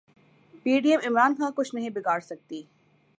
پی D M Imran Khan کا کچھ نہیں بگاڑسکتی